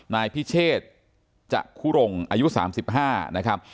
นายพิเชษจะคุรงอายุ๓๕นะครับ